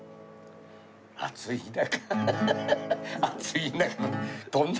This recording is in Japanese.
「暑い中」